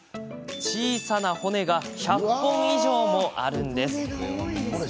小さな骨が１００本以上もあるんです。